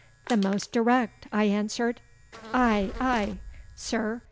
'The most direct,' I answered. 'Aye, aye, Sir.